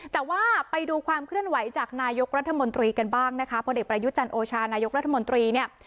แต่ว่าไปดูความเคลื่อนไหวจากนายกรัฐมนตรีกันบ้างนะคะพลเอกประยุจันทร์โอชานายกรัฐมนตรีเนี่ย